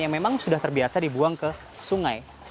yang memang sudah terbiasa dibuang ke sungai